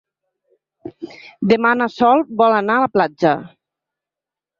Demà na Sol vol anar a la platja.